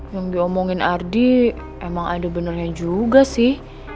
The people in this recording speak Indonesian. yang diomongin ardi emang ada benernya juga sih